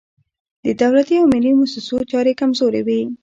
د دولتي او ملي موسسو چارې کمزورې وي.